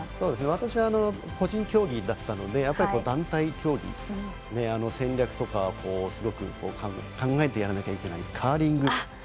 私は、個人競技だったので団体競技、戦略とかすごく考えてやらなきゃいけないカーリング。